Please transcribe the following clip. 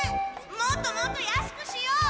もっともっと安くしよう！